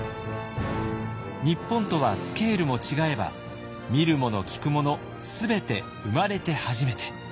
日本とはスケールも違えば見るもの聞くもの全て生まれて初めて。